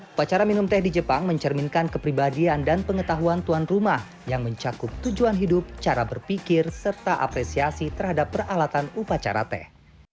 upacara minum teh di jepang mencerminkan kepribadian dan pengetahuan tuan rumah yang mencakup tujuan hidup cara berpikir serta apresiasi terhadap peralatan upacara teh